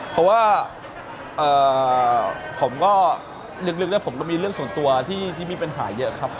เพราะว่าผมก็ลึกแล้วผมก็มีเรื่องส่วนตัวที่มีปัญหาเยอะครับ